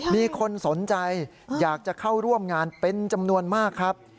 มีคนสนใจอยากจะเข้าร่วมงานเป็นจำนวนมากครับ